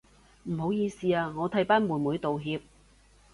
唔好意思啊，我替班妹妹道歉